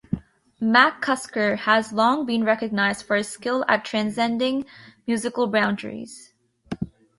McCusker has long been recognised for his skill at transcending musical boundaries.